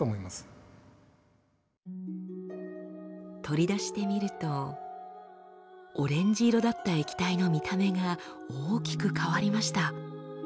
取り出してみるとオレンジ色だった液体の見た目が大きく変わりました。